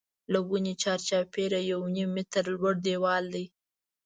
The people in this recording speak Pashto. له ونې چار چاپېره یو نیم متر لوړ دیوال دی.